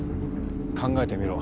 考えてみろ。